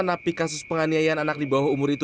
napi kasus penganiayaan anak di bawah umur itu